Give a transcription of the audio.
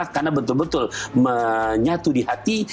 karena betul betul menyatu di hati